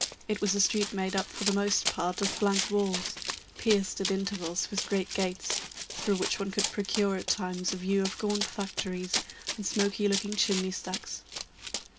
It was a street made up for the most part of blank walls, pierced at intervals with great gates, through which one could procure at times a view of gaunt factories and smoky looking chimney stacks.